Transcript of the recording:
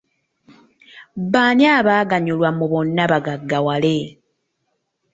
Baani abaganyulwa mu bonna bagaggawale?